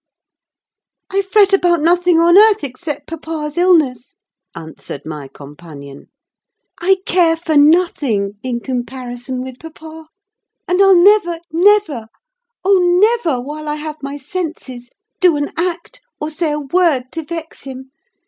"I fret about nothing on earth except papa's illness," answered my companion. "I care for nothing in comparison with papa. And I'll never—never—oh, never, while I have my senses, do an act or say a word to vex him.